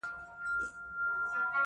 پر شهباز به یې یوه نیمه غزل وي -